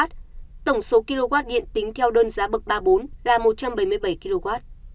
tổng số kw điện tính theo đơn giá bậc ba bốn là một trăm bảy mươi bảy kw